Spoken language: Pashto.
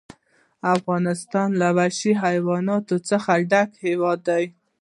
افغانستان له وحشي حیواناتو څخه ډک هېواد دی.